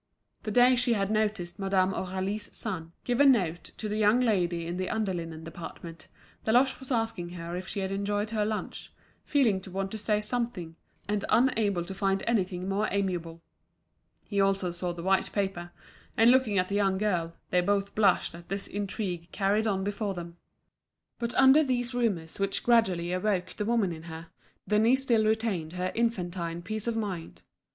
The day she had noticed Madame Aurélie's son giving a note to the young lady in the under linen department, Deloche was asking her if she had enjoyed her lunch, feeling to want to say something, and unable to find anything more amiable. He also saw the white paper; and looking at the young girl, they both blushed at this intrigue carried on before them. But under these rumours which gradually awoke the woman in her, Denise still retained her infantine peace of mind.